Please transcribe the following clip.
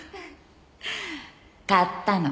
買ったの。